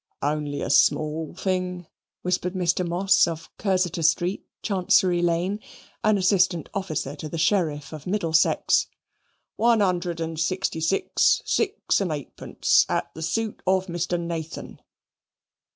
"Only a small thing," whispered Mr. Moss, of Cursitor Street, Chancery Lane, and assistant officer to the Sheriff of Middlesex "One hundred and sixty six, six and eight pence, at the suit of Mr. Nathan."